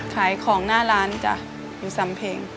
ขายของหน้าร้านจ้ะอยู่สำเพ็ง